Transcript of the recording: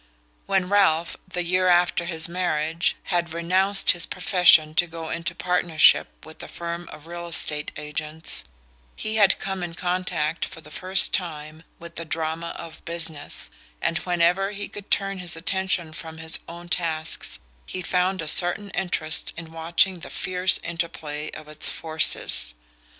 When Ralph, the year after his marriage, had renounced his profession to go into partnership with a firm of real estate agents, he had come in contact for the first time with the drama of "business," and whenever he could turn his attention from his own tasks he found a certain interest in watching the fierce interplay of its forces.